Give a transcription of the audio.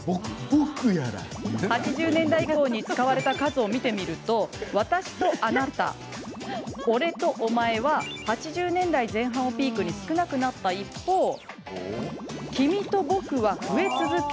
８０年代以降に使われた数を見てみると「私」と「あなた」「俺」と「お前」は８０年代前半をピークに少なくなった一方「君」と「僕」は増え続け